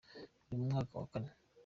Uri mu mwaka wa kane?